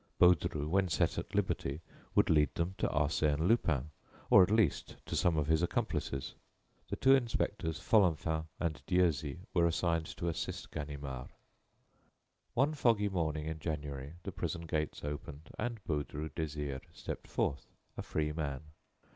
Baudru, when set at liberty, would lead them to Arsène Lupin or, at least, to some of his accomplices. The two inspectors, Folenfant and Dieuzy, were assigned to assist Ganimard. One foggy morning in January the prison gates opened and Baudru Désiré stepped forth a free man.